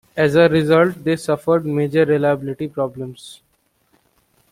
As a result, they suffered major reliability problems.